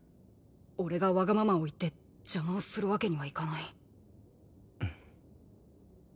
俺がわがままを言って邪魔をするわけにはいかない。